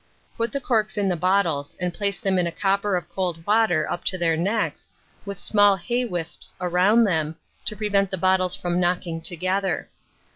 Put the corks in the bottles, and place them in a copper of cold water up to their necks, with small hay wisps round them, to prevent the bottles from knocking together.